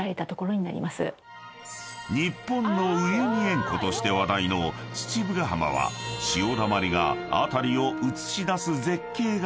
［日本のウユニ塩湖として話題の父母ヶ浜は潮だまりが辺りを映し出す絶景が楽しめる］